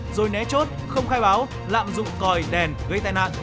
rồi né chốt không khai báo lạm dụng còi đèn gây tai nạn